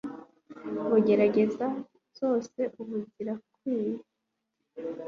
Ngo gereza zose ubu zirakwije